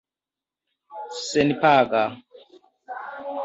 senpaga